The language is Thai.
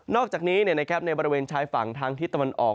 อกจากนี้ในบริเวณชายฝั่งทางทิศตะวันออก